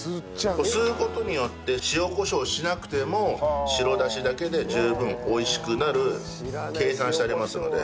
吸う事によって塩コショウしなくても白だしだけで十分美味しくなる計算してありますので。